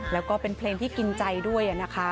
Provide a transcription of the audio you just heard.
แล้วก็เป็นเพลงที่กินใจด้วยนะคะ